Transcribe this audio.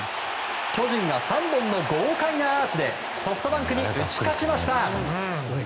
巨人が３本の豪快アーチでソフトバンクに打ち勝ちました。